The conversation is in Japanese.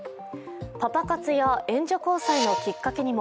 パパ活や援助交際のきっかけにも。